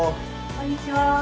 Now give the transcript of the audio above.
こんにちは。